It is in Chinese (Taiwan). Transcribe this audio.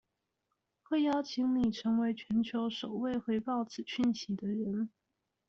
會邀請你成為全球首位回報此訊息的人